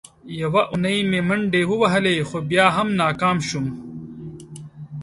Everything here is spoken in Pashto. یوه اونۍ مې منډې ووهلې، خو بیا هم ناکام شوم.